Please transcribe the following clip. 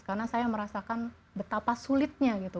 karena saya merasakan betapa sulitnya gitu